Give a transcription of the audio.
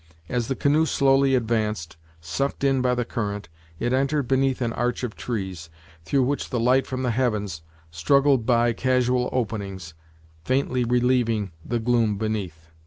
As the canoe slowly advanced, sucked in by the current, it entered beneath an arch of trees, through which the light from the heavens struggled by casual openings, faintly relieving the gloom beneath.